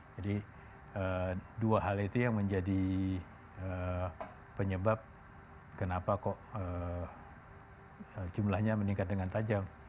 jadi dua hal itu yang menjadi penyebab kenapa kok jumlahnya meningkat dengan tajam